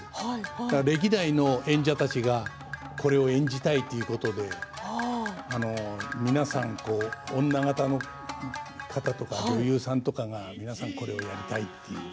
歴代の演者たちがこれを演じたいということで皆さん、女形の方とか女優さんとかが皆さんこれをやりたいと。